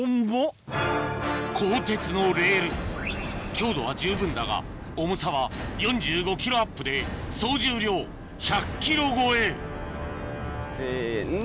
鋼鉄のレール強度は十分だが重さは４５ｋｇアップで総重量１００ｋｇ超えせの。